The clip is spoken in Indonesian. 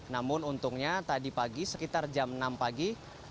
namun untungnya tadi pagi sekitar jam enam pagi